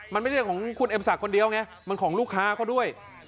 มันไม่ใช่ของคุณเอ็มศักดิ์คนเดียวไงมันของลูกค้าเขาด้วย